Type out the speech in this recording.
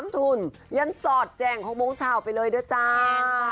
ทุนยันสอดแจ่ง๖โมงเช้าไปเลยด้วยจ้า